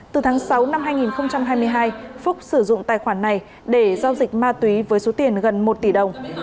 từ tháng sáu năm hai nghìn hai mươi hai phúc sử dụng tài khoản này để giao dịch ma túy với số tiền gần một tỷ đồng